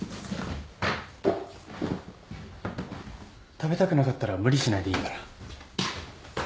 食べたくなかったら無理しないでいいから。